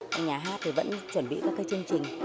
các nhà hát vẫn chuẩn bị các chương trình